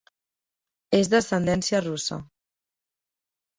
És d'ascendència russa.